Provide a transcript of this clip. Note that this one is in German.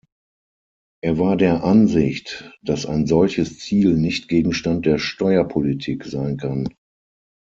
Er war der Ansicht, dass ein solches Ziel nicht Gegenstand der Steuerpolitik sein kann.